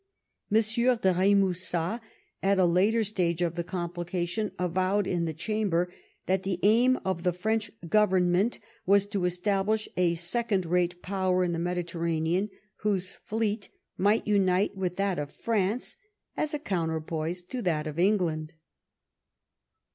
M. de B6musat, at a later stage of the complication, avowed in the Chamber that the aim of the French Government was to establish a second rate Power in tbe Mediter* ranean, whose fleet might unite with that of France as a counterpoise to that of England.